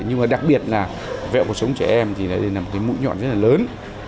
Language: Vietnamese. nhưng đặc biệt là vẹo cuộc sống trẻ em là mũi nhọn rất là lớn